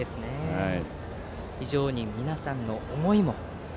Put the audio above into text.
非常に皆さんの思いも。